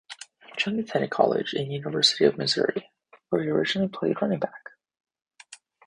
Jones attended college at the University of Missouri, where he originally played running back.